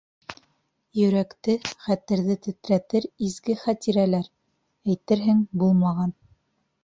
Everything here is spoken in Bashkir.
Йөрәкте, хәтерҙе тетрәтер изге хәтирәләр, әйтерһең, булмаған.